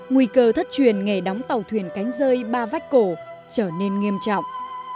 nguy cơ thất truyền nghề đóng tàu thuyền cánh rơi ba vách cổ trở nên nghiêm trọng